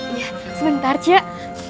iya sebentar cek